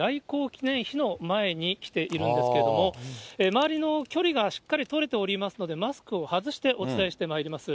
ペリー艦隊来航記念碑の前に来ているんですけれども、周りの距離がしっかり取れておりますので、マスクを外してお伝えしてまいります。